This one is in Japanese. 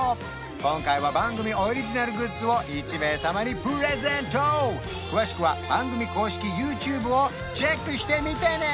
今回は番組オリジナルグッズを１名様にプレゼント詳しくは番組公式ＹｏｕＴｕｂｅをチェックしてみてね！